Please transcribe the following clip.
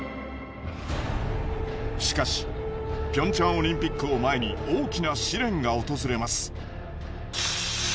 しかしピョンチャンオリンピックを前に大きな試練が訪れます。